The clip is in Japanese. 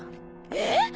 えっ！？